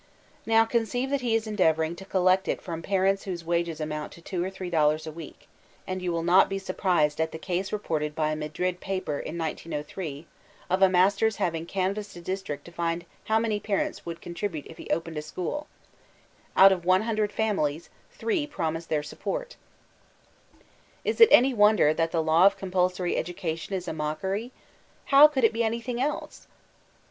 Now conceive that he is endeavoring to collect H from parents whose wages amount to two or three dollars a week ; and you will not be surprised at the case reported by a Madrid paper in 1903 of a master's having canvassed a district to find how many parents would contribute if he opened a school Out of one hundred families, three promised their support I Is it any wonder that the law of compulsory education is a mockery? How could it be anything else?